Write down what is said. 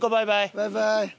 バイバイ！